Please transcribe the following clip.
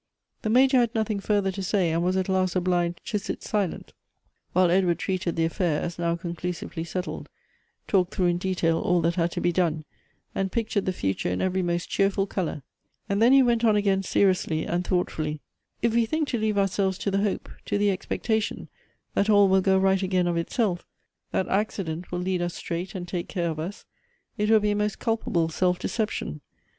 The Major had nothing further to say and was at last obliged to sit silent ; while Edward treated the affair as now conclusively settled, talked through in detail all that had to be done, and pictured the future in every most cheerful color, and then he went on again seriously and thoughtfully :" If we think to leave ourselves to the hope, to the expectation, that all will go right again of itself, that accident will lead us straight, and take care of us, it will be a most culpable self deception.